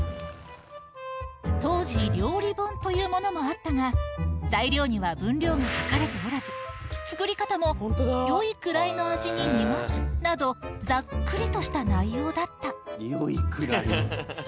当時、料理本というものもあったが、材料には分量が書かれておらず、作り方も、よいくらいの味に煮ますなど、ざっくりとした内容だった。